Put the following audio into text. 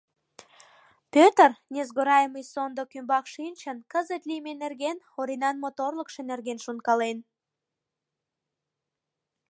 Пӧтыр, несгораемый сондык ӱмбак шинчын, кызыт лийме нерген, Оринан моторлыкшо нерген шонкален.